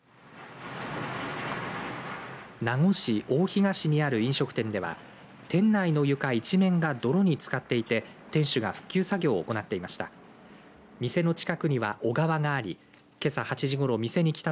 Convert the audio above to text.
名護市大東にある飲食店では店内の床一面がどろにつかっていて店主が復旧作業を行っていました。